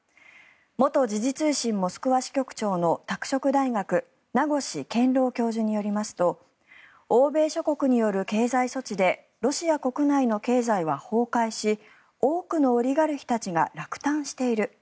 元時事通信モスクワ支局長の拓殖大学名越健郎教授によりますと欧米諸国による経済措置でロシア国内の経済は崩壊し多くのオリガルヒたちが落胆している。